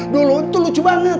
dulu itu lucu banget